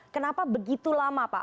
kenapa begitu lama pak